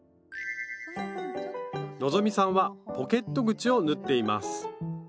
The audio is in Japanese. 希さんはポケット口を縫っています